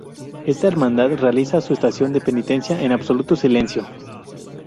Esta hermandad realiza su estación de penitencia en absoluto silencio.